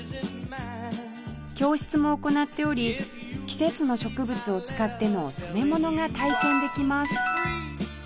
教室も行っており季節の植物を使っての染め物が体験できます